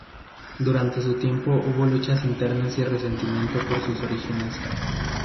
Durante su tiempo hubo luchas internas y resentimiento por sus orígenes.